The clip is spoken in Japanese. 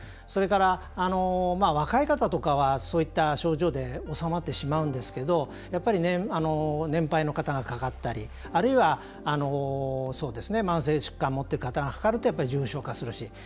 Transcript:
それから、若い方とかはそういった症状で収まってしまうんですけどやっぱり年配の方がかかったりあるいは慢性疾患を持ってる方がかかると重症化するし。